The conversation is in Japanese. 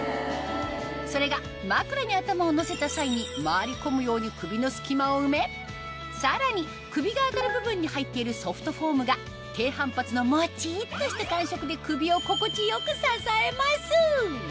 それが枕に頭をのせた際に回り込むように首の隙間を埋めさらに首が当たる部分に入っているソフトフォームが低反発のモチっとした感触で首を心地よく支えます